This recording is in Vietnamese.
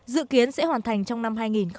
dự kiến sẽ hoàn thành trong năm hai nghìn một mươi bảy